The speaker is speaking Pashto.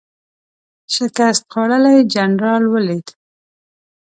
شکست خوړلی جنرال ولید.